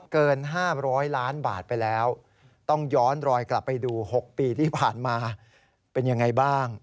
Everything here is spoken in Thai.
เกิน๕๐๐ล้านบาทไปแล้วต้องย้อนรอยกลับไปดู๖ปีที่ผ่านมาเป็นยังไงบ้าง